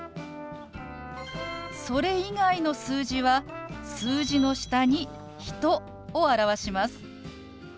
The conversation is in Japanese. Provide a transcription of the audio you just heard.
それ以外の数字は数字の下に「人」を表します。